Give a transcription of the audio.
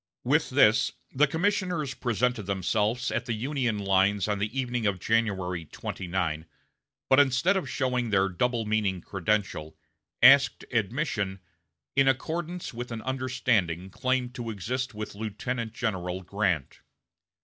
With this the commissioners presented themselves at the Union lines on the evening of January 29, but instead of showing their double meaning credential, asked admission, "in accordance with an understanding claimed to exist with Lieutenant General Grant."